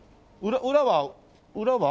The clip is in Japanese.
裏は？